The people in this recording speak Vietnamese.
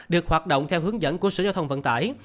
được hoạt động theo hướng dẫn của sở giao thông vận tải